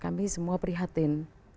kami semua prihatin